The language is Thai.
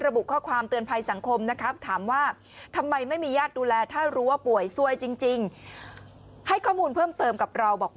ระบุข้อความเตือนภัยสังคมนะครับ